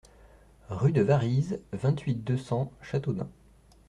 Rue de Varize, vingt-huit, deux cents Châteaudun